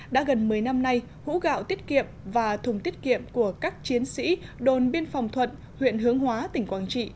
đã gần một mươi năm nay hũ gạo tiết kiệm và thùng tiết kiệm của các chiến sĩ đồn biên phòng thuận huyện hướng hóa tỉnh quảng trị